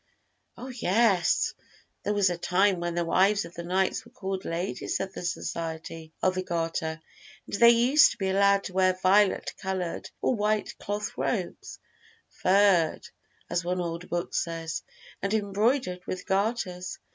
"Oh, yes! There was a time when the wives of the knights were called Ladies of the Society of the Garter, and they used to be allowed to wear violet colored or white cloth robes 'furred,' as one old book says, and embroidered with garters.